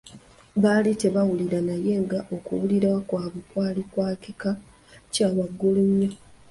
Baali tebawulira naye nga okuwulira kwabwe kwali kwa kika kya waggulu nnyo.